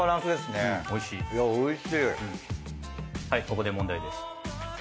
はいここで問題です。